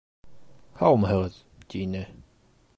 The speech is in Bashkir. — Һаумыһығыҙ! — тине.